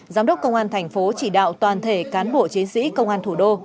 giám đốc công an tp chỉ đạo toàn thể cán bộ chiến sĩ công an tp